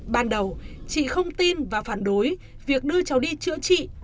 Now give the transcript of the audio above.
ban đầu chị không tin và phản đối việc đưa cháu đi chữa trị